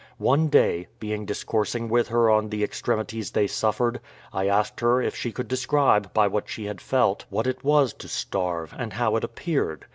One day, being discoursing with her on the extremities they suffered, I asked her if she could describe, by what she had felt, what it was to starve, and how it appeared?